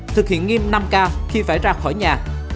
thực hiện nghiêm năm k khi phải ra khỏi nhà